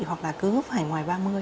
hoặc là cứ phải ngoài ba mươi